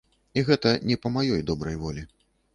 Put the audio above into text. І гэта не па маёй добрай волі.